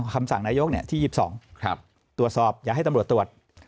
คำสั่งนายกที่๒๒ตรวจสอบอย่าให้ตำรวจตรวจ